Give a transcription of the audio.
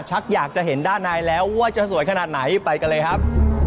อยากจะเห็นด้านในแล้วว่าจะสวยขนาดไหนไปกันเลยครับ